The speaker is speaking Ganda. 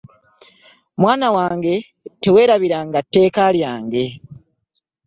Mwana wange, teweerabiranga tteeka lyange.